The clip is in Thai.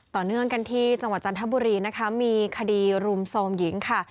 ต่อเนื่องกันที่จังหวัดจันทบุรีนะคะมีคดีรุมโทรมหญิงค่ะ